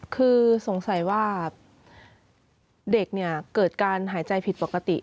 คือสงสัยว่าเด็กเนี่ยเกิดการหายใจผิดปกติ